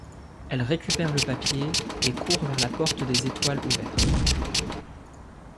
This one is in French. Elle récupère le papier et court vers la porte des étoiles ouverte.